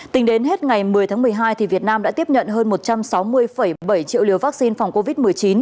tính đến hết ngày một mươi tháng một mươi hai việt nam đã tiếp nhận hơn một trăm sáu mươi bảy triệu liều vaccine phòng covid một mươi chín